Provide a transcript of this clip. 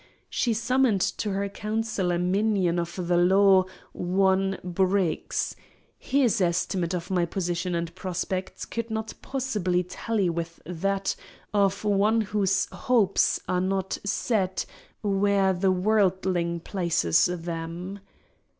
She summoned to her council a minion of the Law, one Briggs. His estimate of my position and prospects could not possibly tally with that of one whose hopes are not set where the worldling places them.